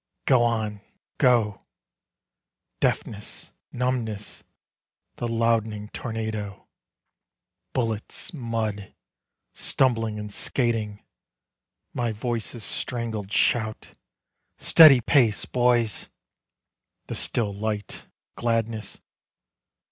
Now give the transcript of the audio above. Go on. Go. Deafness. Numbness. The loudening tornado. Bullets. Mud. Stumbling and skating. My voice's strangled shout: "Steady pace, boys!" The still light: gladness.